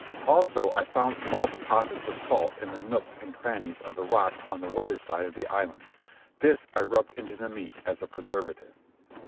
Also, I found small deposits of salt in the nooks and crannies of the rocks on the weather side of the island. This I rubbed into the meat as a preservative.